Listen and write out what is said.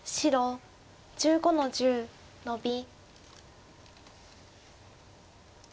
白１５の十ノビ。